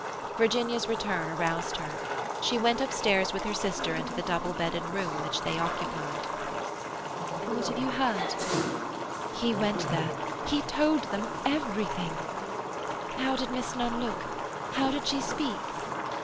Virginia's return aroused her. She went upstairs with her sister into the double bedded room which they occupied. "What have you heard?" "He went there. He told them everything." "How did Miss Nunn look? How did she speak?"